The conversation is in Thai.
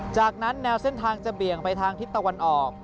จากนั้นแนวเส้นทางจะเบี่ยงไปทางทิศตะวันออก